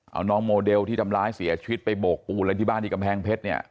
เอาน้องโมเดลที่ทำร้ายเสียชีวิตไปโบกปูนอะไรที่บ้านที่กำแพงเพชรเนี่ย